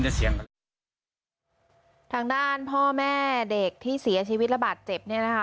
เสียงทางด้านพ่อแม่เด็กที่เสียชีวิตระบาดเจ็บเนี่ยนะคะ